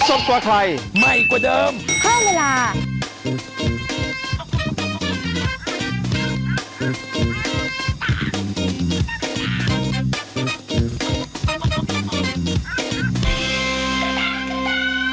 โอเคเด็ดแซ่บ